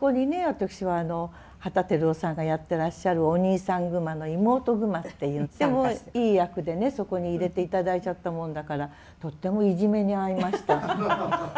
私は旗照夫さんがやってらっしゃるお兄さんグマの妹グマっていうとってもいい役でねそこに入れて頂いちゃったもんだからとってもいじめに遭いました。